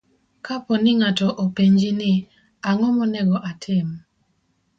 Kapo ni ng'ato openji ni, "Ang'o monego atim?"